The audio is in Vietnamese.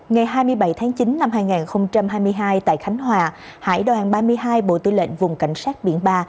ngày hai mươi bảy tháng chín năm hai nghìn hai mươi hai tại khánh hòa hải đoàn ba mươi hai bộ tư lệnh vùng cảnh sát biển ba